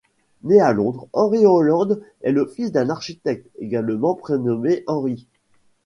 Né à Londres, Henry Holland est le fils d’un architecte, également prénommé Henry.